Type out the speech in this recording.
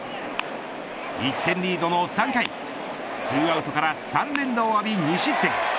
１点リードの３回２アウトから３連打を浴び２失点。